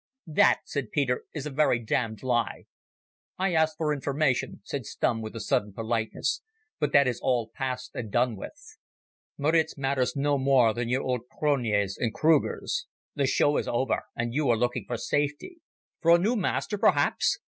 "That," said Peter, "is a very damned lie." "I asked for information," said Stumm with a sudden politeness. "But that is all past and done with. Maritz matters no more than your old Cronjes and Krugers. The show is over, and you are looking for safety. For a new master perhaps?